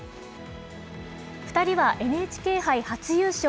２人はＮＨＫ杯初優勝。